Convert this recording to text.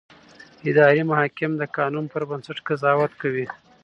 اداري محاکم د قانون پر بنسټ قضاوت کوي.